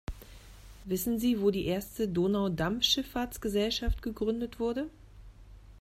Wissen sie wo die erste Donaudampfschiffahrtsgesellschaft gegründet wurde?